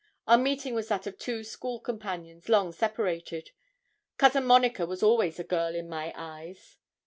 Our meeting was that of two school companions long separated. Cousin Monica was always a girl in my eyes.